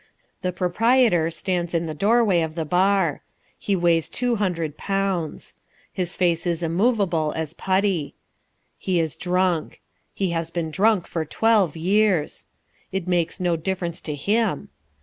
The Proprietor stands in the doorway of the bar. He weighs two hundred pounds. His face is immovable as putty. He is drunk. He has been drunk for twelve years. It makes no difference to him.